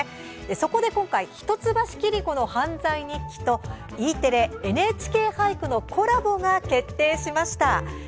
そこで今回「一橋桐子の犯罪日記」とＥテレ「ＮＨＫ俳句」のコラボが決定しました。